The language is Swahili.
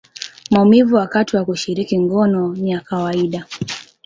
maumivu wakati wa kushiriki ngono ni ya kawaida.